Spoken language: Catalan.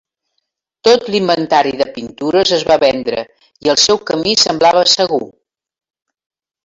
Tot l’inventari de pintures es va vendre, i el seu camí semblava segur.